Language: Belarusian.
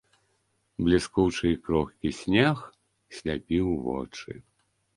Бліскучы і крохкі снег сляпіў вочы.